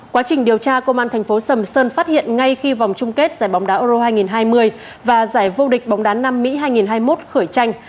quá trình điều tra công an thành phố sầm sơn phát hiện ngay khi vòng chung kết giải bóng đá euro hai nghìn hai mươi và giải vô địch bóng đá nam mỹ hai nghìn hai mươi một khởi tranh